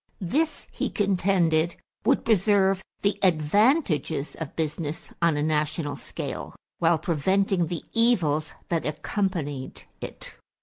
This, he contended, would preserve the advantages of business on a national scale while preventing the evils that accompanied it.